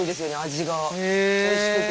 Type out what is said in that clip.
味がおいしくて。